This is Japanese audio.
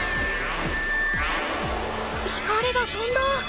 光がとんだ！